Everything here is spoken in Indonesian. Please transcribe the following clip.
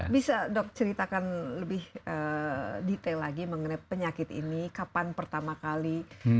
bisa dok ceritakan lebih detail lagi mengenai penyakit ini kapan pertama kali